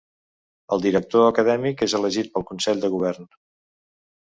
El Director acadèmic és elegit pel Consell de Govern.